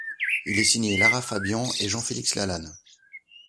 Il est signé Lara Fabian et Jean-Félix Lalanne.